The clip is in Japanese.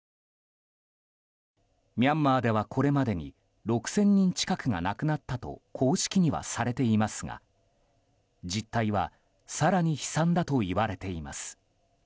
ミャンマーではこれまでに６０００人近くが亡くなったと公式にはされていますが実態は更に悲惨だといわれています。